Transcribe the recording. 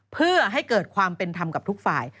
เพื่อให้เกิดความเป็นธรรมกับทุกฝ่าย